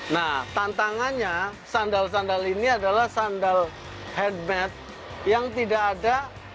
nah tantangannya sandal sandal ini adalah sandal headmad yang tidak ada